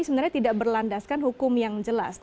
sebenarnya tidak berlandaskan hukum yang jelas